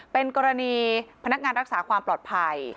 เป็นกรณีพนักงานรักษาความปลอดภัย